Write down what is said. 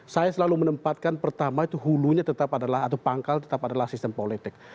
saya selalu menempatkan pertama itu hulunya tetap adalah atau pangkal tetap adalah sistem politik